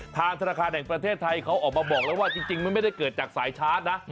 ทางธนาคารแห่งประเทศไทยเขาออกมาบอกแล้วว่าจริงมันไม่ได้เกิดจากสายชาร์จนะ